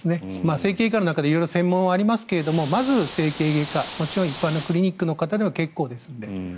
整形外科の中でも色々専門はありますがまず整形外科もちろん一般のクリニックでも結構ですので。